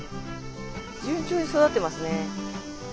順調に育ってますね。